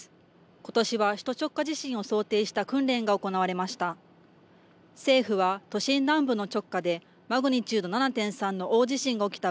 ことしは首都直下地震を想定した訓練が行われました。